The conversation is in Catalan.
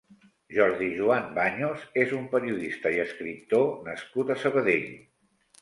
Jordi Joan Baños és un periodista i escriptor nascut a Sabadell.